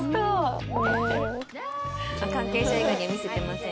「関係者以外には見せていません」。